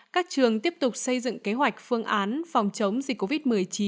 các trường tiếp tục xây dựng kế hoạch phương án phòng chống dịch covid một mươi chín